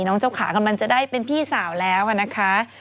น้องเจ้าขากำลังจะได้เป็นพี่สาวแล้วนะคะ